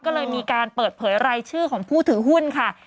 ก็เลยมีการเปิดเผยรายชื่อของผู้ถือหุ้นค่ะ